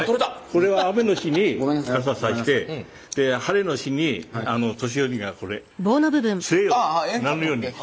これは雨の日に傘差して晴れの日に年寄りがこれええんか取れて。